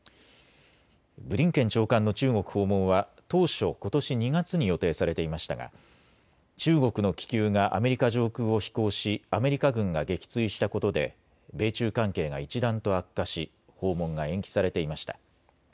ブリンケン長官の中国訪問は当初、ことし２月に予定されていましたが中国の気球がアメリカ上空を飛行しアメリカ軍が撃墜したことで米中関係が一段と悪化し訪問が延期されていました。